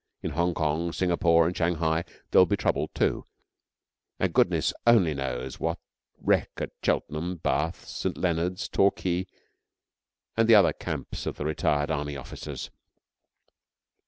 In Hongkong, Singapore, and Shanghai there will be trouble too, and goodness only knows what wreck at Cheltenham, Bath, St. Leonards, Torquay, and the other camps of the retired Army officers.